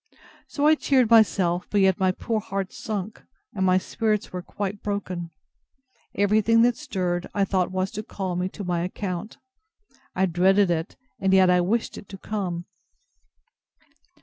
So I cheered myself; but yet my poor heart sunk, and my spirits were quite broken. Everything that stirred, I thought was to call me to my account. I dreaded it, and yet I wished it to come.